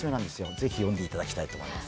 ぜひ読んでいただきたいと思います。